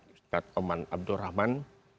ustadz oman abdurrahman